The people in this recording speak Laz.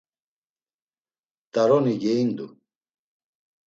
T̆aroni geindu.